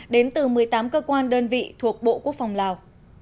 đến từ một mươi tám cơ quan đơn vị thuộc bộ quốc phòng lào